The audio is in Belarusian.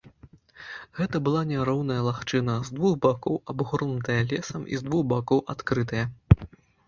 Гэта была няроўная лагчына, з двух бакоў абгорнутая лесам і з двух бакоў адкрытая.